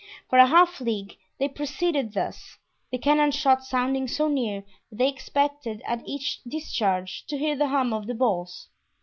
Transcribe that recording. For a half league they proceeded thus, the cannon shot sounding so near that they expected at each discharge to hear the hum of the balls.